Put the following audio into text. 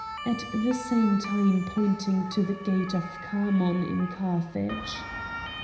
at the same time pointing to the gate of Khamon in Carthage.